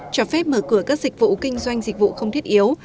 cho phép mở cửa các dịch vụ kinh doanh dịch vụ không thiết yếu